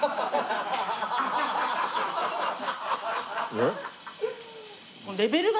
えっ？